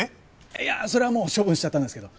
いやそれはもう処分しちゃったんですけど。